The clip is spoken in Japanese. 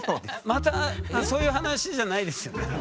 またそういう話じゃないですよね？